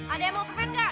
ada yang mau kemen gak